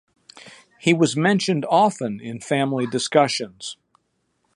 He was mentioned often in family discussions.